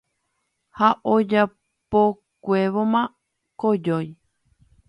ha ojapokuévoma kojói